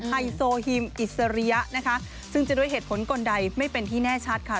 ไฮโซฮิมอิสริยะนะคะซึ่งจะด้วยเหตุผลกลใดไม่เป็นที่แน่ชัดค่ะ